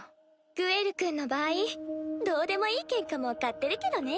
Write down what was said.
グエル君の場合どうでもいいケンカも買ってるけどね。